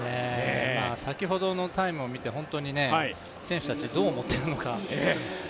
先ほどのタイムを見て、本当に選手たちどう思っているのか。